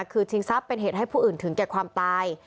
คือชิงทรัพย์เป็นเหตุให้ผู้อื่นถึงแก่ความตาย